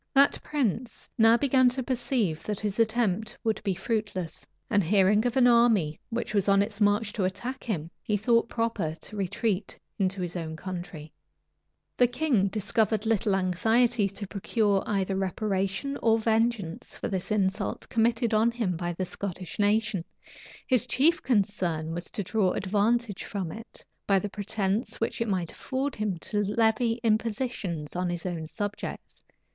That prince now began to perceive that his attempt would be fruitless; and hearing of an army which was on its march to attack him, he thought proper to retreat into his own country. * Polyd. Virg. p. 598. The king discovered little anxiety to procure either reparation or vengeance for this insult committed on him by the Scottish nation: his chief concern was to draw advantage from it, by the pretence which it might afford him to levy impositions on his own subjects.